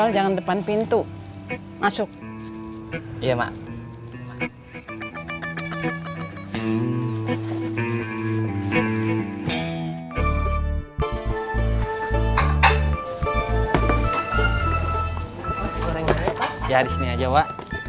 sampai jumpa di video selanjutnya